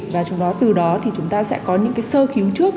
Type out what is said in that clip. và từ đó thì chúng ta sẽ có những cái sơ cứu trước